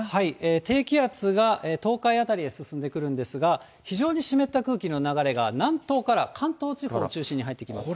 低気圧が東海辺りへ進んでくるんですが、非常に湿った空気の流れが、南東から関東地方を中心に入ってきます。